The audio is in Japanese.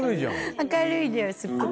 明るいよすっごく。